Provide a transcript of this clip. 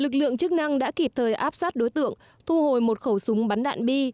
lực lượng chức năng đã kịp thời áp sát đối tượng thu hồi một khẩu súng bắn đạn bi